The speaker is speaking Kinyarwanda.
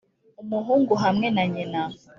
umuhungu hamwe na nyina.